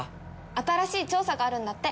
新しい調査があるんだって。